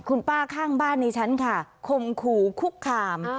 คุณป้าข้างบ้านในชั้นค่ะคมขู่คุกคาม